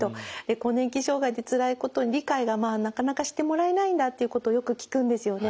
更年期障害でつらいこと理解がなかなかしてもらえないんだっていうことをよく聞くんですよね。